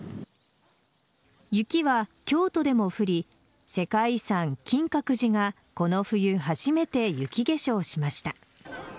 雪は京都でも降り世界遺産・金閣寺がこの冬初めて雪化粧しました。